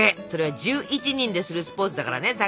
それ「１１人でするスポーツ」だからね